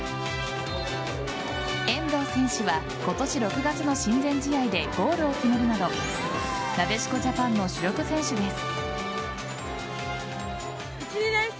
遠藤選手は今年６月の親善試合でゴールを決めるなどなでしこジャパンの主力選手です。